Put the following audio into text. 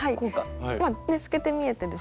透けて見えてるし。